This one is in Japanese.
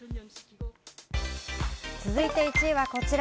続いて１位はこちら。